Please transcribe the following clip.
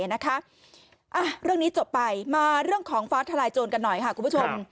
นะคะอ่ะเรื่องนี้จบไปมาเรื่องของฟ้าทลายโจนกันหน่อยค่ะ